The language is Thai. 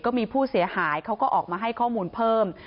ก็มีผู้เสียหายเขาก็ออกมาให้ข้อมูลเพิ่ม